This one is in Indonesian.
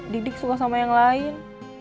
dik dik suka sama yang lain